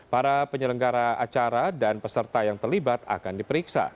para penyelenggara acara dan peserta yang terlibat akan diperiksa